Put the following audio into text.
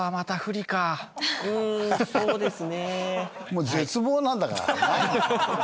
もう絶望なんだから。